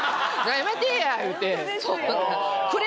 やめてぇや言うて。